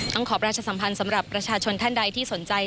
ขอประชาสัมพันธ์สำหรับประชาชนท่านใดที่สนใจ